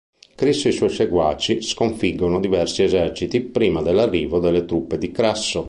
Crisso e i suoi seguaci sconfiggono diversi eserciti prima dell'arrivo delle truppe di Crasso.